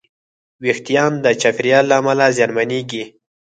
وېښتيان د چاپېریال له امله زیانمنېږي.